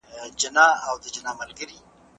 د قدرت نشه مي نه پرېږدي تر مرگه